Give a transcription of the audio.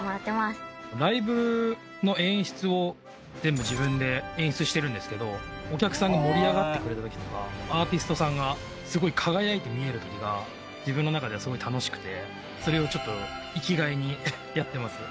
ライブの演出を全部自分で演出してるんですけどお客さんが盛り上がってくれた時とかアーティストさんがすごい輝いて見える時が自分の中ではすごい楽しくてそれをちょっと生きがいにやってます。